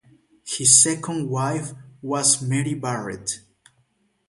His second wife was Mary Barrett.